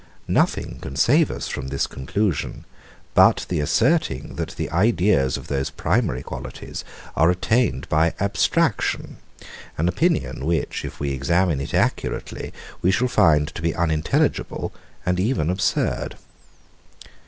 Nothing can save us from this conclusion, but the asserting, that the ideas of those primary qualities are attained by Abstraction, an opinion, which, if we examine it accurately, we shall find to be unintelligible, and even absurd.